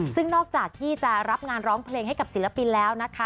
ซึ่งนอกจากที่จะรับงานร้องเพลงให้กับศิลปินแล้วนะคะ